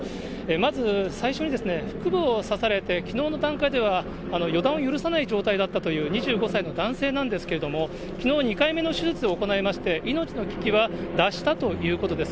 まず最初に、腹部を刺されて、きのうの段階では予断を許さない状態だったという、２５歳の男性なんですけれども、きのう、２回目の手術を行いまして、命の危機は脱したということです。